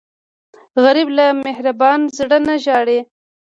غریب له مهربان زړه نه ژاړي